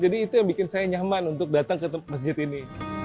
jadi itu yang bikin saya nyaman untuk datang ke masjid ini